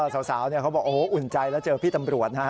เขาบอกโอ้โหอุ่นใจแล้วเจอพี่ตำรวจนะฮะ